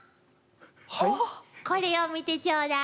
これを見てちょうだい。